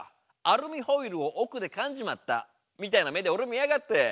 アルミホイルを奥でかんじまったみたいな目で俺を見やがって！